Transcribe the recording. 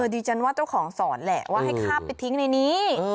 ดิฉันว่าเจ้าของสอนแหละว่าให้ข้าบไปทิ้งในนี้